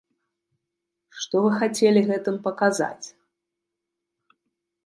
Што вы хацелі гэтым паказаць?